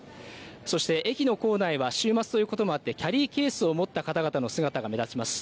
そして、駅の構内は週末ということもあって、キャリーケースを持った方々の姿が目立ちます。